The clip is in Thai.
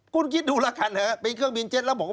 คุณคิดดูแล้วกันฮะเป็นเครื่องบินเจ็ตแล้วบอกว่า